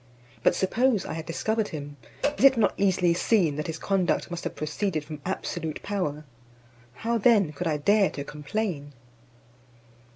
But suppose I had discovered him, is it not easily seen that his conduct must have proceeded from absolute power? How then could I dare to complain?